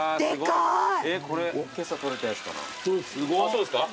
そうですか？